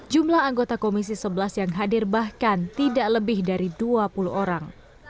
jumlah anggota komisi sebelas yang hadir bahkan tidak lebih dari dua puluh orang